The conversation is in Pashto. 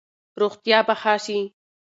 روغتیا به ښه شي.